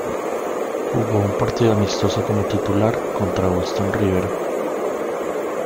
Jugó un partido amistoso como titular contra Boston River.